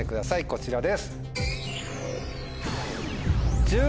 こちらです。